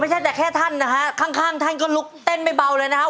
ไม่ใช่แต่แค่ท่านนะฮะข้างท่านก็ลุกเต้นไม่เบาเลยนะครับ